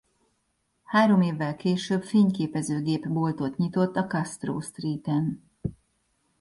Három évvel később fényképezőgép-boltot nyitott a Castro Streeten.